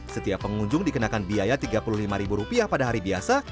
setiap pengunjung dikenakan biaya rp tiga puluh lima pada hari biasa